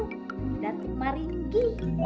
tidak cuma ringgi